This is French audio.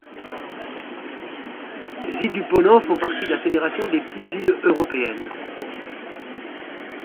Les îles du Ponant font partie de la Fédération des petites îles européennes.